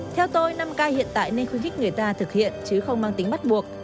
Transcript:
theo tôi năm ca hiện tại nên khuyến khích người ta thực hiện chứ không mang tính bắt buộc